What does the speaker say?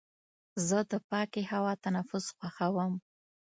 زه د پاکې هوا تنفس خوښوم.